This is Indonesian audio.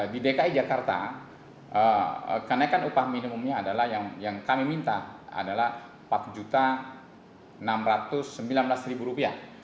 di dki jakarta kenaikan upah minimumnya adalah yang kami minta adalah rp empat enam ratus sembilan belas